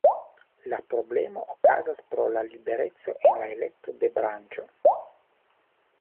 La problemo okazas pro la libereco en la elekto de branĉo.